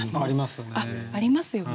ありますね。